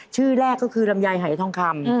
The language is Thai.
ชื่อแรกก็คือลำไยหายทองคำ